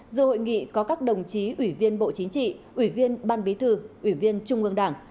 giữa hội nghị có các đồng chí ủy viên bộ chính trị ủy viên ban bí thư ủy viên trung ương đảng